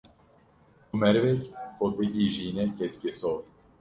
ku merivek xwe bigîjîne keskesor